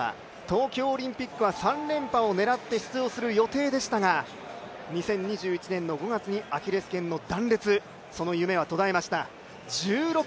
東京オリンピックは３連覇を狙って出場する予定でしたが２０２１年５月にアキレスけんの断裂その夢は途絶えました。